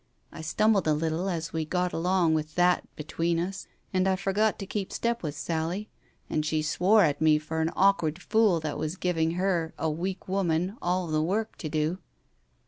I stumbled a little as we got along with that between us, and I forgot to keep step with Sally, and she swore at me for an awkward fool that was giving her, a weak woman, all the work to do.